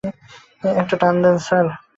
একটা টান দিন, স্যার।